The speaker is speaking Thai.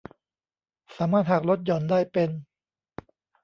สามารถหักลดหย่อนได้เป็น